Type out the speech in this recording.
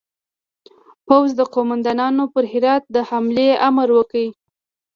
د پوځ قوماندانانو پر هرات د حملې امر ورکړ.